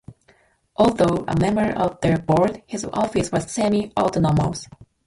Although a member of the board his office was semi-autonomous.